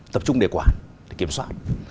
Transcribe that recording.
tập trung để quản để kiểm soát